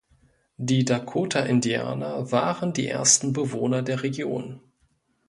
Die Dakota-Indianer waren die ersten Bewohner der Region.